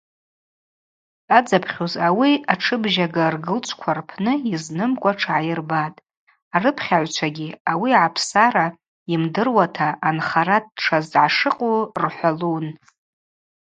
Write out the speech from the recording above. Дъадзапхьуз ауи атшыбжьага ргылчӏвква рпны йызнымкӏва тшгӏайырбатӏ, арыпхьагӏвчвагьи ауи гӏапсара йымдыруата анхара дшазгӏашыкъу рхӏвалун.